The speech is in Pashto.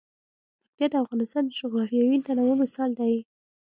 پکتیا د افغانستان د جغرافیوي تنوع مثال دی.